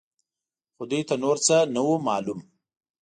خو دوی ته نور څه نه وو معلوم.